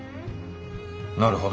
なるほど。